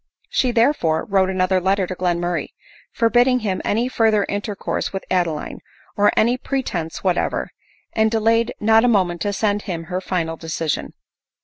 She, therefore, wrote another letter to Glenmurray, forbidding him any further intercourse with Adeline, on any pretence what ever ; and delayed not a moment to send him her final ) decision.